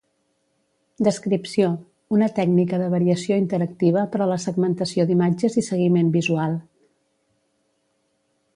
Descripció: una tècnica de variació interactiva per a la segmentació d'imatges i seguiment visual.